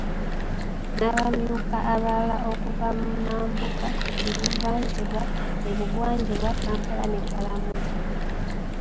N’abamyuka abalala okuva mu Mambuka, e Buvanjuba, e Bugwanjuba, Kampala ne Karamoja.